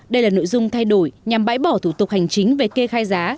đây là nội dung thay đổi nhằm bãi bỏ thủ tục hành chính về kê khai giá